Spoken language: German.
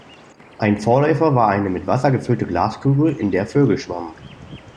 Ein Vorläufer war eine mit Wasser gefüllte Glaskugel, in der Vögel schwammen.